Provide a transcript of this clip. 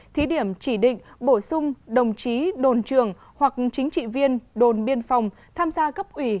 thí điểm chỉ định bổ sung đồng chí đồn trường hoặc chính trị viên đồn biên phòng tham gia cấp ủy